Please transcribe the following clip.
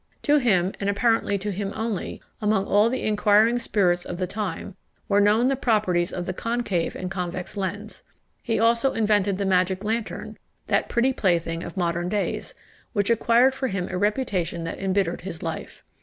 To him, and apparently to him only, among all the inquiring spirits of the time, were known the properties of the concave and convex lens. He also invented the magic lantern; that pretty plaything of modern days, which acquired for him a reputation that embittered his life.